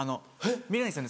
見れないんですよね